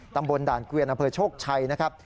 ตำบลด่านเกวียนอำเภอโชคชัยนะครับ